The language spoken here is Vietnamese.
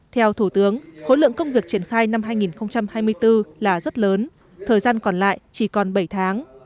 theo thủ tướng khối lượng công việc triển khai năm hai nghìn hai mươi bốn là rất lớn thời gian còn lại chỉ còn bảy tháng